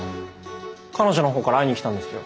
彼女の方から会いに来たんですよ